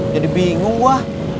jadi bingung gue